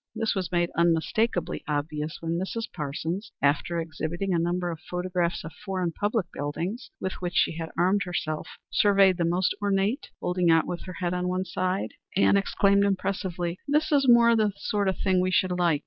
This was made unmistakably obvious when Mrs. Parsons, after exhibiting a number of photographs of foreign public buildings with which she had armed herself, surveyed the most ornate, holding it out with her head on one side, and exclaimed impressively, "This is more the sort of thing we should like.